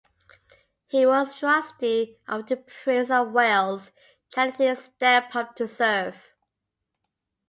He was trustee of the Prince of Wales’ charity Step Up To Serve.